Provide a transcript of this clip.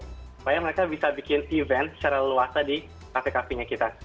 supaya mereka bisa bikin event secara luas di kafe kafe nya kita